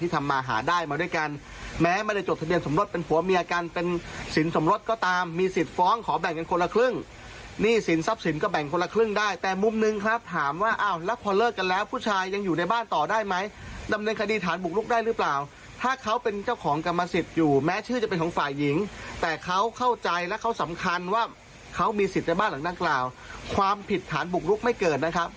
สำคัญว่าเขามีสิทธิ์ในบ้านหลังนักราวความผิดฐานบุกรุกไม่เกิดนะครับ